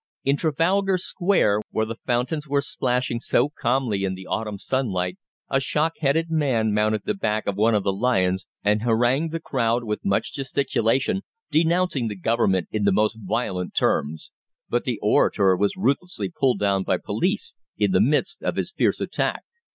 In Trafalgar Square, where the fountains were plashing so calmly in the autumn sunlight, a shock headed man mounted the back of one of the lions and harangued the crowd with much gesticulation, denouncing the Government in the most violent terms; but the orator was ruthlessly pulled down by the police in the midst of his fierce attack.